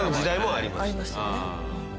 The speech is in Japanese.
ありましたよね。